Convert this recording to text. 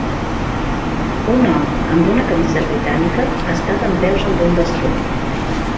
Un home amb una camisa britànica està dempeus amb un bastó.